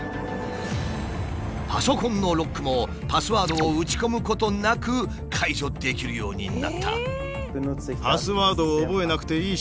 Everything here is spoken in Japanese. パソコンのロックもパスワードを打ち込むことなく解除できるようになった。